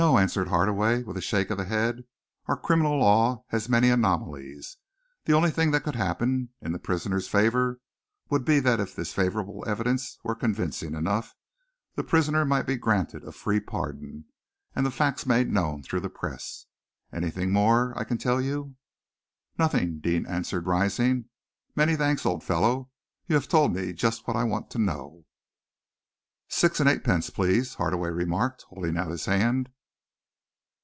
answered Hardaway, with a shake of the head. "Our criminal law has many anomalies. The only thing that could happen in the prisoner's favor would be that if this favorable evidence were convincing enough, the prisoner might be granted a free pardon, and the facts made known through the Press. Anything more I can tell you?" "Nothing," Deane answered, rising. "Many thanks, old fellow. You have told me just what I want to know." "Six and eightpence, please," Hardaway remarked, holding out his hand.